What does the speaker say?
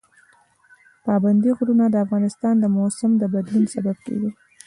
پابندی غرونه د افغانستان د موسم د بدلون سبب کېږي.